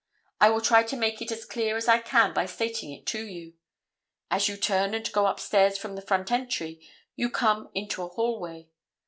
I will try to make it as clear as I can by stating it to you. As you turn and go upstairs from the front entry, you come into a hallway.